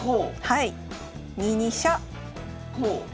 はい。